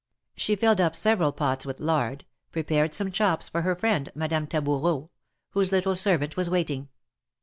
She filled up several pots with lard, prepared some chops for her friend, Madame Taboureau, whose little servant was waiting.